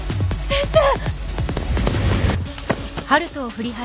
先生！